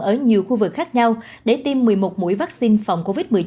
ở nhiều khu vực khác nhau để tiêm một mươi một mũi vaccine phòng covid một mươi chín